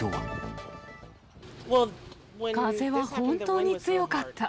風は本当に強かった。